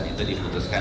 ketawa di indonesia